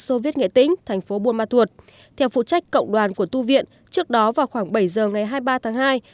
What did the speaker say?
soviet nghệ tĩnh thành phố buôn ma thuột theo phụ trách cộng đoàn của tu viện trước đó vào khoảng bảy giờ ngày hai mươi ba tháng hai